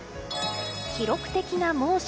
記録的な猛暑。